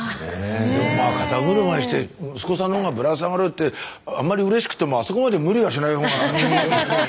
まあ肩車して息子さんの方がぶら下がるってあんまりうれしくてもあそこまで無理はしない方が。